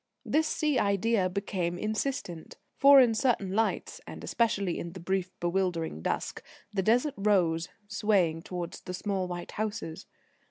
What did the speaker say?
This sea idea became insistent. For, in certain lights, and especially in the brief, bewildering dusk, the Desert rose swaying towards the small white houses.